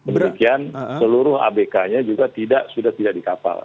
demikian seluruh abk nya juga sudah tidak dikapal